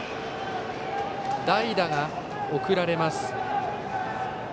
代打が送られます。